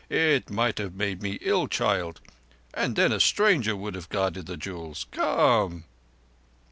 It might have made me ill, child, and then a stranger would have guarded the jewels. Come!"